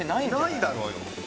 ないだろうよ